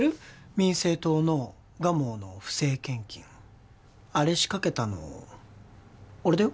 民政党の蒲生の不正献金あれ仕掛けたの俺だよ